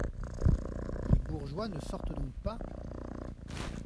Les bourgeois ne sortent donc pas ?